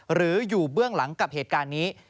หรืออยู่เบื้องหลังกับเหตุการณ์นี้